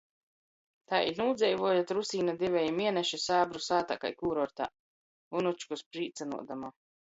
Tai i nūdzeivuoja trusīne diveji mieneši sābru sātā kai kurortā, unučkys prīcynuodama.